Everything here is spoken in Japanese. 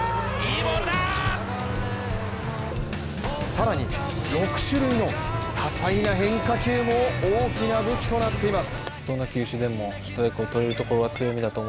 更に、６種類の多彩な変化球も大きな武器となっています。